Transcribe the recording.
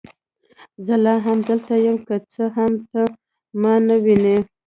زه لا هم دلته یم، که څه هم ته ما نه وینې.